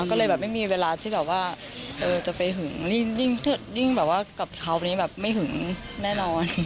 ก็เลยไม่มีเวลาที่จะไปหึงดิ้งกับเขาแบบนี้ไม่หึงแน่นอน